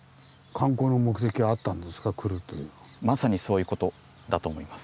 じゃあまさにそういうことだと思います。